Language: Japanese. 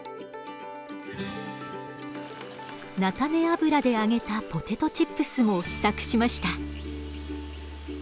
菜種油で揚げたポテトチップスも試作しました。